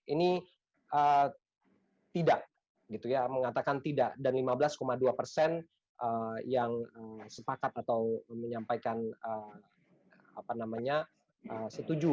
ini tidak mengatakan tidak dan lima belas dua persen yang sepakat atau menyampaikan setuju